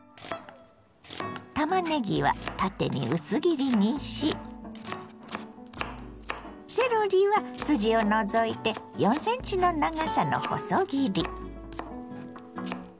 たまねぎは縦に薄切りにしセロリは筋を除いて４ｃｍの長さの細切り。